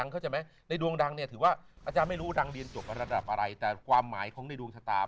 เข้าใจไหมในดวงดังเนี่ยถือว่าอาจารย์ไม่รู้ดังเรียนจบระดับอะไรแต่ความหมายของในดวงชะตา